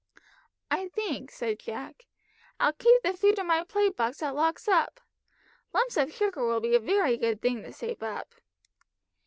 "I think," said Jack, "I'll keep the food in my play box that locks up. Lumps of sugar will be a very good thing to save up."